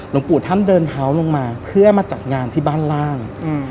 หลวงปู่ท่านเดินเท้าลงมาเพื่อมาจัดงานที่บ้านล่าง